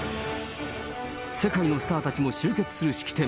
世界スターたちも集結する式典。